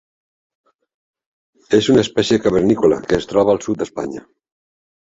És una espècie cavernícola que es troba al sud d'Espanya.